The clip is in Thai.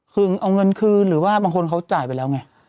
คือเอาเงินคืนหรือว่าบางคนเขาจ่ายไปแล้วไง